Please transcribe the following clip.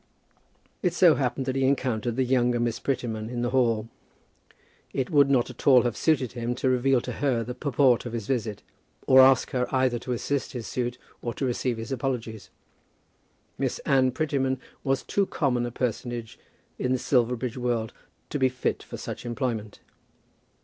It so happened that he encountered the younger Miss Prettyman in the hall. It would not at all have suited him to reveal to her the purport of his visit, or ask her either to assist his suit or to receive his apologies. Miss Anne Prettyman was too common a personage in the Silverbridge world to be fit for such employment.